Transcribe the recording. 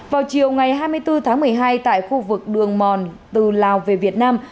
vào chiều ngày hai mươi bốn tháng một mươi hai tại khu vực đường mòn từ lào về việt nam